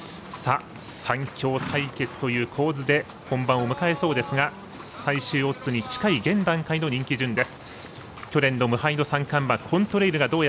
３強対決という構図で本番を迎えそうですが最終オッズに近い現段階の人気順です。